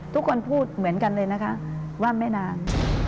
ทุกคนพูดเหมือนกันเลยนะคะว่าไม่นาน